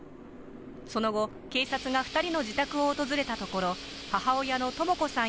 その後、警察が２人の自宅を訪れたところ、母親の智子さん